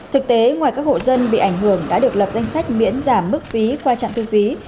thực tế ngoài các hộ dân bị ảnh hưởng đã được lập danh sách miễn giảm mức phí qua trạm thu phí